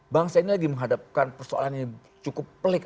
bangsa ini lagi menghadapkan persoalannya cukup pelik